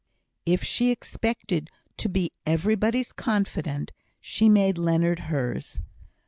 If she expected to be everybody's confidante, she made Leonard hers.